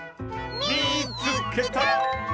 「みいつけた！」。